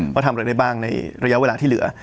ว่าทำอะไรได้บ้างในระยะเวลาที่เหลือ